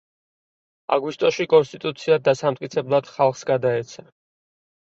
აგვისტოში კონსტიტუცია დასამტკიცებლად ხალხს გადაეცა.